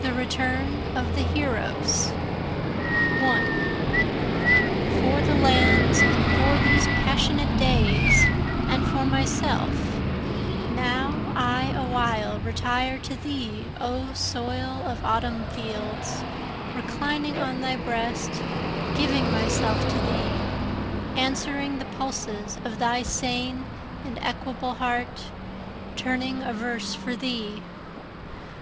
The Return of the Heroes 1 For the lands and for these passionate days and for myself, Now I awhile retire to thee O soil of autumn fields, Reclining on thy breast, giving myself to thee, Answering the pulses of thy sane and equable heart, Turning a verse for thee.